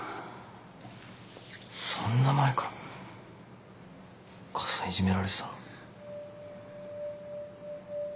そんな前から母さんいじめられてたの？